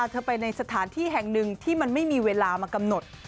เธอไปในสถานที่แห่งหนึ่งที่มันไม่มีเวลามากำหนด